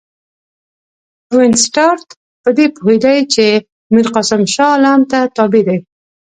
وینسیټارټ په دې پوهېدی چې میرقاسم شاه عالم ته تابع دی.